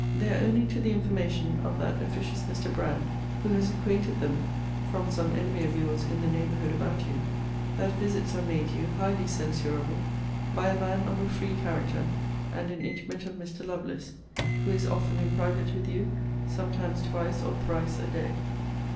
They are owning to the information of that officious Mr. Brand, who has acquainted them (from some enemy of your's in the neighbourhood about you) that visits are made you, highly censurable, by a man of a free character, and an intimate of Mr. Lovelace; who is often in private with you; sometimes twice or thrice a day.